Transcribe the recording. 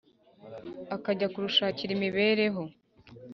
akajya kuru shakira imibereho?